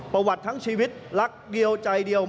ประวัติทั้งชีวิตรักเดียวใจเดียว